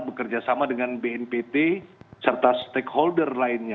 bekerja sama dengan bnpt serta stakeholder lainnya